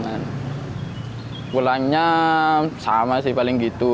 kalau pulangnya sama sih paling gitu